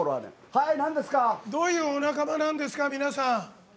どういうお仲間なんですか？